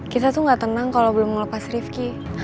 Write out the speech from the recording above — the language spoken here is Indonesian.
kita tuh gak tenang kalau belum ngelepas rifki